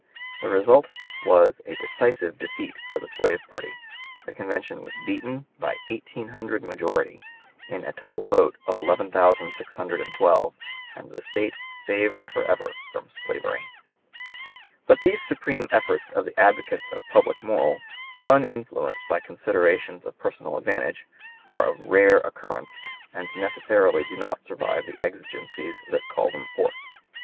The result was a decisive defeat for the slave party. The convention was beaten by 1800 majority, in a total vote of 11612, and the State saved forever from slavery. [Illustration: MARTIN VAN BUREN.] But these supreme efforts of the advocates of public morals, uninfluenced by considerations of personal advantage, are of rare occurrence, and necessarily do not survive the exigencies that call them forth.